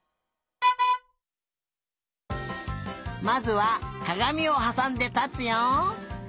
まずはかがみをはさんでたつよ。